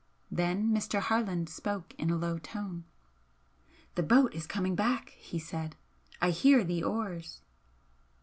Then Mr. Harland spoke in a low tone. "The boat is coming back," he said, "I hear the oars."